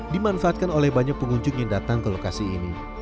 dimanfaatkan oleh banyak pengunjung yang datang ke lokasi ini